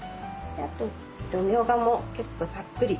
みょうがも結構ざっくり。